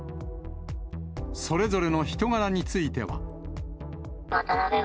それぞれの人柄については。